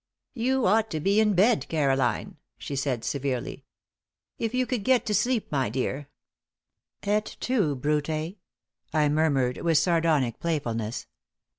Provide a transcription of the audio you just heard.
"You ought to be in bed, Caroline," she said, severely. "If you could get to sleep, my dear " "Et tu, Brute!" I murmured, with sardonic playfulness.